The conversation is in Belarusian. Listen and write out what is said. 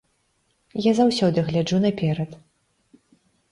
Я заўсёды гляджу наперад.